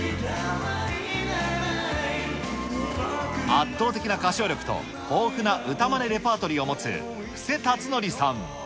圧倒的な歌唱力と豊富な歌まねレパートリーを持つ布施辰徳さん。